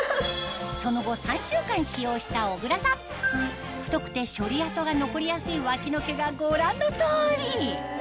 その後３週間使用した小倉さん太くて処理跡が残りやすいわきの毛がご覧の通り！